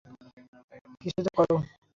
কিছু তো কর।